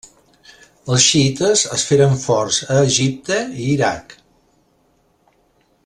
Els xiïtes es feren forts a Egipte i Iraq.